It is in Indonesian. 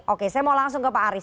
oke saya mau langsung ke pak aris